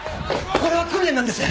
これは訓練なんです！